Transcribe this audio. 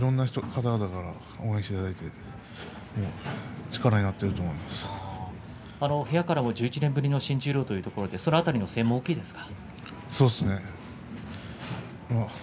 いろんな方が応援してくださって部屋からも１１年ぶりの新十両ということでその辺の声援も大きいですか？